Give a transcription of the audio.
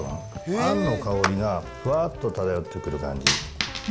あんの香りがふわっと漂ってくる感じ。